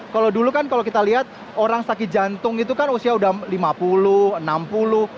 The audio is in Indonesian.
kalau dulu kan kalau kita lihat orang sakit jantung itu kan usia udah lima puluh enam puluh